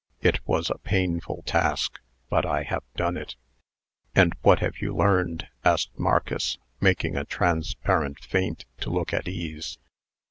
It was a painful task, but I have done it." "And what have you learned?" asked Marcus, making a transparent feint to look at ease.